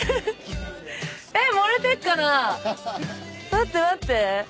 待って待って。